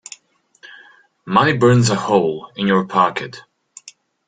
Money burns a hole in your pocket.